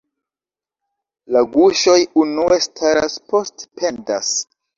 La guŝoj unue staras, poste pendas.